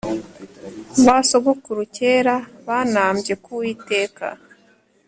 Basogokuru kera banambye ku witeka